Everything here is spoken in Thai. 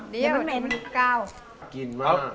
เดี๋ยวมันเหม็น